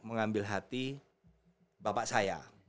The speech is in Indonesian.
mengambil hati bapak saya